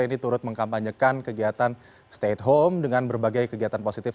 ini turut mengkampanyekan kegiatan stay at home dengan berbagai kegiatan positif